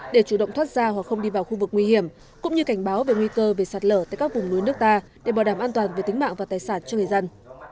để chủ động thoát ra hoặc không đi vào khu vực nguy hiểm cũng như cảnh báo về nguy cơ về sạt lở tại các vùng núi nước ta để bảo đảm an toàn về tính mạng và tài sản cho người dân